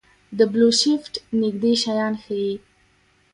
د بلوشفټ نږدې شیان ښيي.